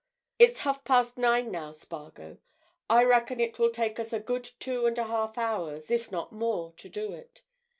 It's half past nine now, Spargo: I reckon it will take us a good two and a half hours, if not more, to do it.